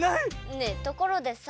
ねえところでさ